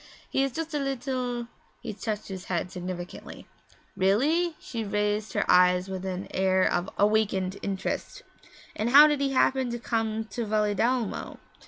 He is just a little ' He touched his head significantly. 'Really?' She raised her eyes with an air of awakened interest. 'And how did he happen to come to Valedolmo?'